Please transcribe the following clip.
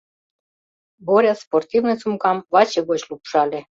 Боря спортивный сумкам ваче гоч лупшале.